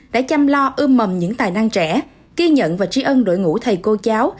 đã chăm lo ưm mầm những tài năng trẻ kiên nhận và trí ân đội ngũ thầy cô cháu